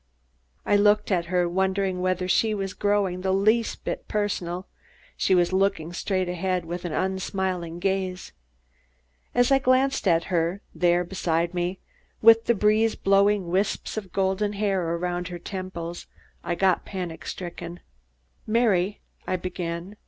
I looked at her and wondered whether she was growing the least bit personal. She was looking straight ahead, with an unsmiling gaze. As I glanced at her, there beside me, with the breeze blowing wisps of golden hair around her temples, I got panic stricken. "Mary " I began.